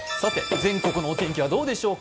全国のお天気はどうでしょうか。